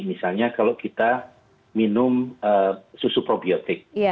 misalnya kalau kita minum susu probiotik